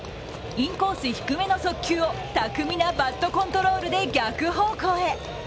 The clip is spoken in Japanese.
インコース低めの速球を巧みなバットコントロールで逆方向へ。